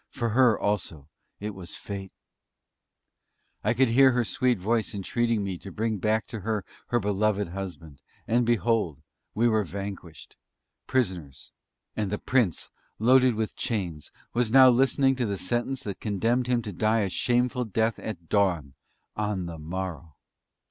For her also it was Fate! I could hear her sweet voice entreating me to bring back to her her beloved husband; and behold! we were vanquished prisoners and the Prince, loaded with chains, was now listening to the sentence that condemned him to die a shameful death at dawn on the morrow!